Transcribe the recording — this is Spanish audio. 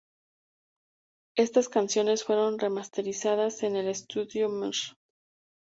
Estas canciones fueron remasterizadas en el estudio Mr.